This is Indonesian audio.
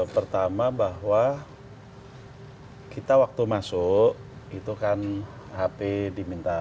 pertama bahwa kita waktu masuk itu kan hp diminta